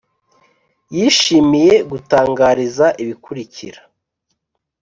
yishimiye gutangariza ibikurikira: